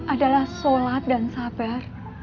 adalah sholat dan sabar